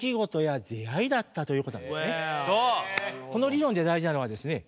この理論で大事なのはですね